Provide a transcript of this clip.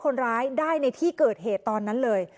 คนร้ายได้ในที่เกิดเหตุตอนนั้นเลย